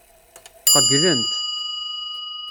Qeyylent.